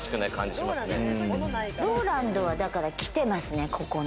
ＲＯＬＡＮＤは、だから来てますね、ここに。